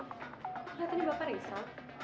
nggak ternyata bapak risau